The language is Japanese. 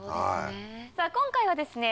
さぁ今回はですね